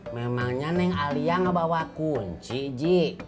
memangnya neng alia gak bawa kunci ji